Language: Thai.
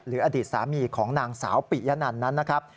หรืออดีตสามีของนางสาวปิยะนันต์นะครับ